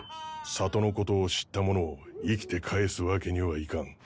里のことを知った者を生きて帰すわけにはいかん。